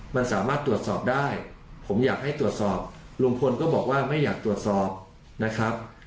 มันสามารถตรวจสอบได้ผมอยากให้ตรวจสอบลุงพลก็บอกว่าไม่อยากตรวจสอบนะครับ